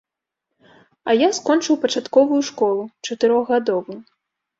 А я скончыў пачатковую школу, чатырохгадовую.